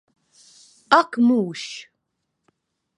Ak mūžs!